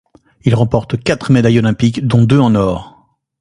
Il remporte quatre médailles olympiques, dont deux en or.